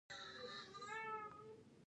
ځینې خلک له خوښۍ مړاوې شول.